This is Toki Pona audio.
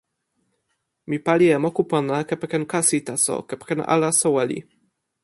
mi pali e moku pona kepeken kasi taso, kepeken ala soweli.